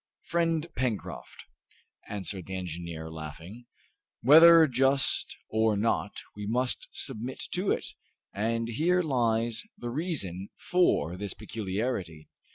"Friend Pencroft," answered the engineer, laughing, "whether just or not, we must submit to it, and here lies the reason for this peculiarity.